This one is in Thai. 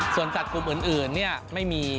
ส่วนจากกลุ่มอื่นไม่มี